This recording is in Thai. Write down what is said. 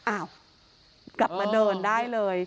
อ้าวกลับมาเดินได้เลย